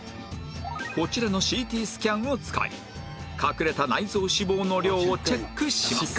こちらの ＣＴ スキャンを使い隠れた内臓脂肪の量をチェックします